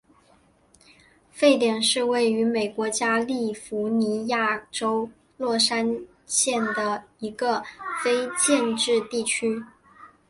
沸点是位于美国加利福尼亚州洛杉矶县的一个非建制地区。